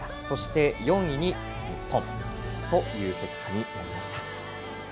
そして４位に日本という結果になりました。